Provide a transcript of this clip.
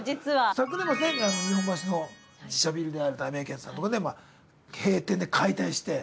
昨年末ね日本橋の自社ビルであるたいめいけんさんのとこはね閉店で解体して。